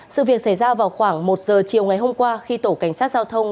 sự việc xảy ra vào khoảng một giờ chiều ngày hôm qua khi tổ cảnh sát giao thông